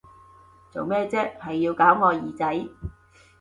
做咩啫，係要搞我耳仔！